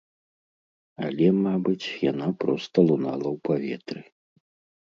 Але, мабыць, яна проста лунала ў паветры.